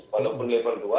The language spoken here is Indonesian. walaupun level dua